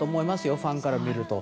ファンから見ると。